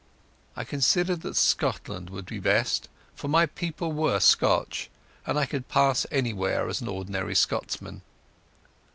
I considered that Scotland would be best, for my people were Scotch and I could pass anywhere as an ordinary Scotsman.